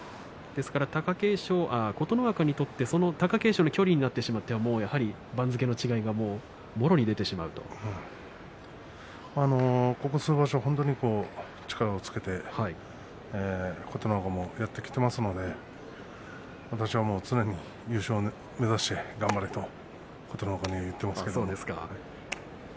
琴ノ若にとっては貴景勝への距離になってしまっては番付の違いがもろに出てしまうここ数場所、力をつけて琴ノ若もやってきていますので私は常に優勝を目指して頑張れと琴ノ若に言っていますけど。